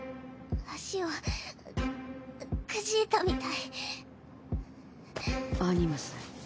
足をうっくじいたみたい。